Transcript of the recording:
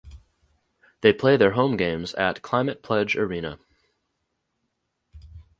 They play their home games at Climate Pledge Arena.